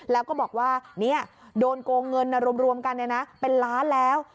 แล้วก็บอกว่าโดนโกงเงินรวมกันเป็นล้านแล้ว